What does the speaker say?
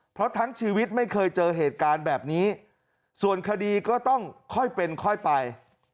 เพราะทั้งชีวิตไม่เคยเจอเหตุการณ์แบบนี้ส่วนคดีก็ต้องค่อยเป็นค่อยไป